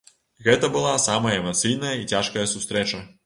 Гэта была самая эмацыйная і цяжкая сустрэча.